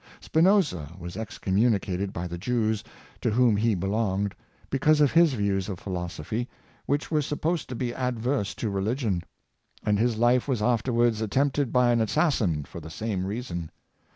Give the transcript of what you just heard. Spinoza was excommunicated by the Jews, to whom he belonged, because ot his views of philosophy, which were supposed to be adverse to religion; and his life was afterwards attempted by an assassin for the same reason.